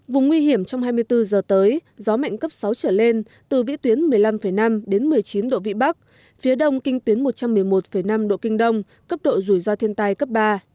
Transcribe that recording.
vùng nguy hiểm trong hai mươi bốn giờ tới gió mạnh cấp sáu trở lên từ vĩ tuyến một mươi năm năm đến một mươi chín độ vị bắc phía đông kinh tuyến một trăm một mươi một năm độ kinh đông cấp độ rủi ro thiên tai cấp ba